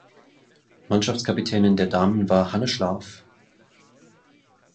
Mannschaftskapitän der Damen war Hanne Schlaf.